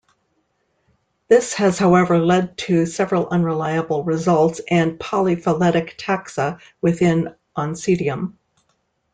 This has however led to several unreliable results and polyphyletic taxa within "Oncidium".